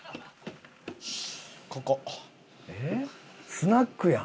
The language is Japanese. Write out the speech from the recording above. スナックやん。